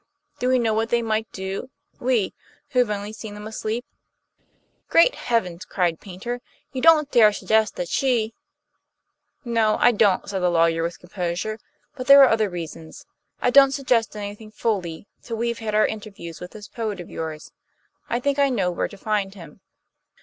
Do we know what they might do we, who have only seen them asleep?" "Great heavens!" cried Paynter. "You don't dare suggest that she " "No, I don't," said the lawyer, with composure, "but there are other reasons.... I don't suggest anything fully, till we've had our interview with this poet of yours. I think I know where to find him."